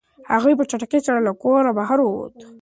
هغه په چټکۍ سره له کوره بهر ووت.